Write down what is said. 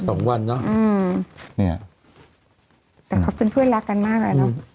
สองวันเนอะอืมเนี้ยแต่เขาเป็นเพื่อนรักกันมากอ่ะเนอะ